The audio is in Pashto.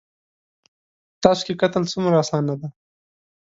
_په تاسو کې قتل څومره اسانه دی.